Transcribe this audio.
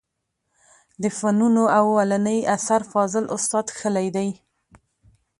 د فنونو اولنى اثر فاضل استاد کښلى دئ.